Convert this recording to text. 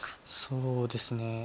そうですね。